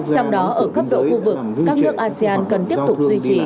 trong đó ở cấp độ khu vực các nước asean cần tiếp tục duy trì